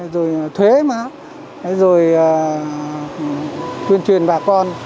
rồi thuế rồi tuyên truyền bà con